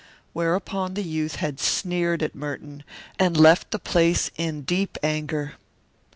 Whereupon the youth had sneered at Merton and left the place in deep anger.